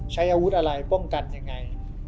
ใช้อาวุธอะไรป้องกันยังไง